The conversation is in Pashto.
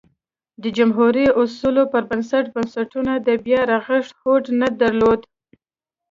د جمهوري اصولو پر بنسټ بنسټونو د بیا رغښت هوډ نه درلود